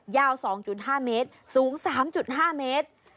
ยาว๒๕เมตรสูง๓๕เมตร